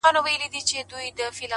• خداى له هري بي بي وركړل اولادونه,